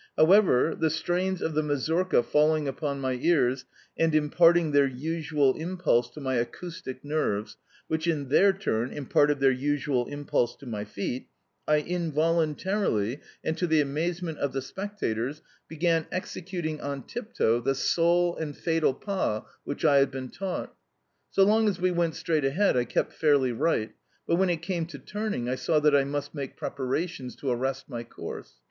However, the strains of the mazurka falling upon my ears, and imparting their usual impulse to my acoustic nerves (which, in their turn, imparted their usual impulse to my feet), I involuntarily, and to the amazement of the spectators, began executing on tiptoe the sole (and fatal) pas which I had been taught. So long as we went straight ahead I kept fairly right, but when it came to turning I saw that I must make preparations to arrest my course.